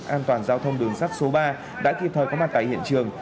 an toàn giao thông đường sắt số ba đã kịp thời có mặt tại hiện trường